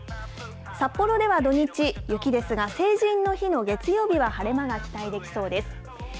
札幌では土日、雪ですが、成人の日の月曜日は晴れ間が期待できそうです。